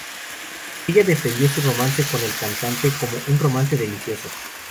Ella definió su romance con el cantante como "un romance delicioso".